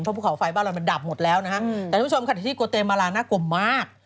เพราะภูเขาไฟบ้านเรามันดับหมดแล้วนะฮะแต่ทุกผู้ชมค่ะที่โกเตมาลาน่ากลัวมาก